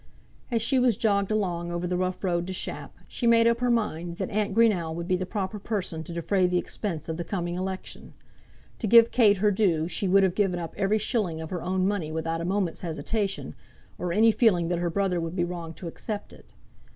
As she was jogged along over the rough road to Shap, she made up her mind that Aunt Greenow would be the proper person to defray the expense of the coming election. To give Kate her due she would have given up every shilling of her own money without a moment's hesitation, or any feeling that her brother would be wrong to accept it.